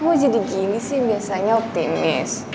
mau jadi gini sih biasanya optimis